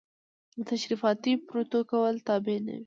د تشریفاتي پروتوکول تابع نه وي.